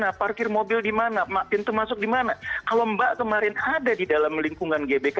di mana parkir mobil dimana makin tuh masuk dimana kalau mbak kemarin ada di dalam lingkungan gbk